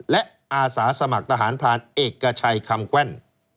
และอาสาสมัครทหารพรานเอกชัยคำแกว้น